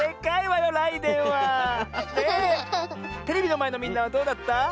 テレビのまえのみんなはどうだった？